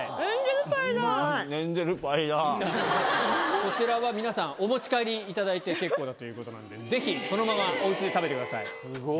こちらは皆さん、お持ち帰りいただいて結構だということなんで、ぜひ、そのままおうちで食べすごい。